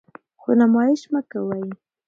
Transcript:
خو نمایش مه کوئ.